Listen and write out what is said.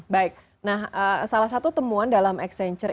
baik nah salah satu temuan dalam accenture